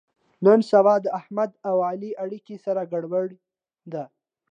نن سبا د احمد او علي اړیکه سره ګړبړ ده.